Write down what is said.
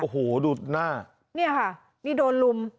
โอ้โหดูหน้าเนี่ยค่ะนี่โดนลุม